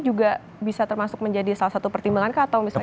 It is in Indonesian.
juga bisa termasuk menjadi salah satu pertimbangan kah atau misalnya